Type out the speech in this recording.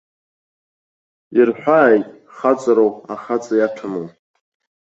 Ирҳәааит, хаҵароу, ахаҵа иаҭәаму.